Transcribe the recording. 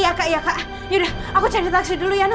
namanya main siapa tuanku ini yang lupa mau berhenti nya girls